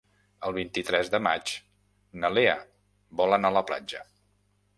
El vint-i-tres de maig na Lea vol anar a la platja.